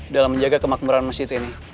dalam menjaga kemakmuran masjid ini